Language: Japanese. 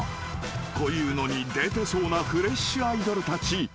［こういうのに出てそうなフレッシュアイドルたち］